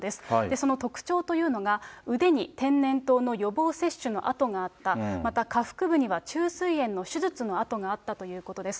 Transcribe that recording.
その特徴というのが、腕に天然痘の予防接種の痕があった、また下腹部には虫垂炎の手術の痕があったということです。